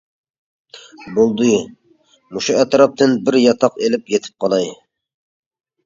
بولدى مۇشۇ ئەتراپتىن بىر ياتاق ئېلىپ يېتىپ قالاي.